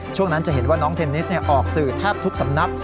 ช่วงนั้นจะเห็นว่าน้องเทนนิสออกสื่อแทบทุกสำนัก